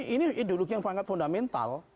ini ideologi yang sangat fundamental